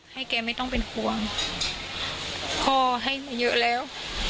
ให้แกไม่ต้องเป็นห่วงพ่อให้มาเยอะแล้ว